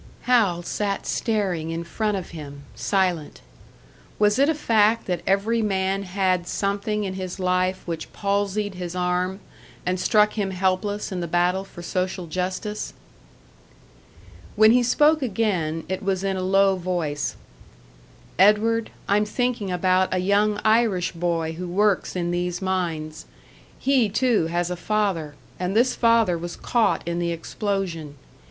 Hal sat staring in front of him, silent. Was it a fact that every man had something in his life which palsied his arm, and struck him helpless in the battle for social justice? When he spoke again, it was in a low voice. "Edward, I'm thinking about a young Irish boy who works in these mines. He, too, has a father; and this father was caught in the explosion.